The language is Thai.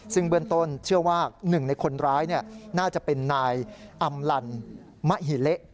ซึ่งเบื้องต้นเชื่อว่าหนึ่งในคนร้ายน่าจะเป็นนายอำลันมะหิเละ